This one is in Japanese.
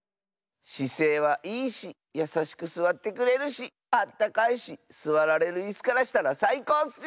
しせいはいいしやさしくすわってくれるしあったかいしすわられるいすからしたらさいこうッス！